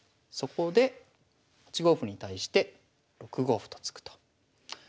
そこで８五歩に対して６五歩と突くと。